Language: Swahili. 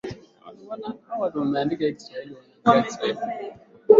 utashusha kupitia vyumba vingi vingi vyenye samani